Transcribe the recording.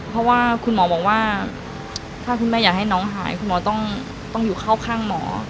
เพราะว่าคุณหมอบอกว่าถ้าคุณแม่อยากให้น้องหายคุณหมอต้องอยู่เข้าข้างหมอ